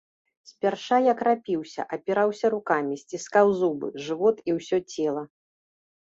Спярша я крапіўся, апіраўся рукамі, сціскаў зубы, жывот і ўсё цела.